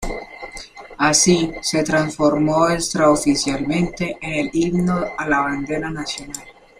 Así se transformó extraoficialmente en el Himno a la Bandera Nacional.